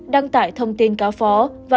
đăng tải thông tin cáo phó và